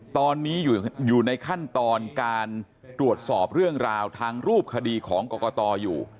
ตอนนี้อยู่ในขั้นตอนการตรวจสอบเรื่องราวทางรูปคดีของกรกตอยู่